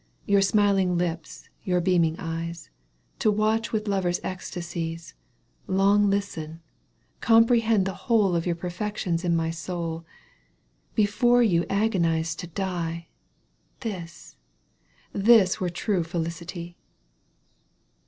241 Your smiling lips, your beaming eyes, To watch with lovers* ecstasies, Long listen, comprehend the whole Of your perfections in my soul. Before you agonized to die — This, this were true felicity